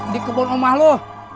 di kebun omah lo